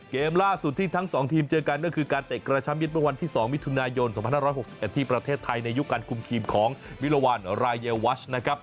เกมล่าสุดที่ทั้ง๒ทีมเจอกันก็คือการเตะกระช่ำยึดเมื่อวันที่๒มิถุนายน๒๕๖๑ที่ประเทศไทยในยุคการคุมทีมของมิลวันรายเยวัชนะครับ